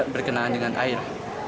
berkenaan dengan air